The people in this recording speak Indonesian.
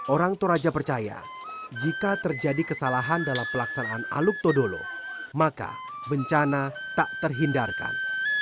orang toraja percaya jika terjadi kesalahan dalam pelaksanaan aluk todolo maka bencana tak terhindarkan